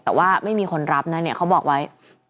แต่ว่าไม่มีคนรับนะเนี่ยเขาบอกไว้